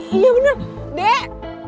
iya bener dek